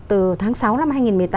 từ tháng sáu năm hai nghìn một mươi tám